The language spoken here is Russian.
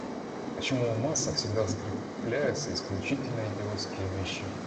Почему в массах всегда закрепляются исключительно идиотские вещи?